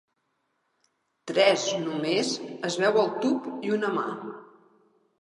Tres només es veu el tub i una mà.